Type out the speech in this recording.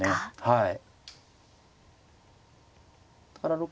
はい。